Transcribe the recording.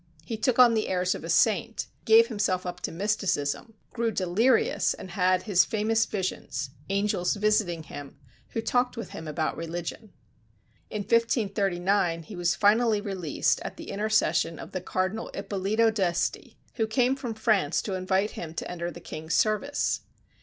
He took on the airs of a saint, gave himself up to mysticism, grew delirious and had his famous visions angels visiting him, who talked with him about religion. In 1539 he was finally released at the intercession of the cardinal Ippolito d'Este, who came from France to invite him to enter the King's service.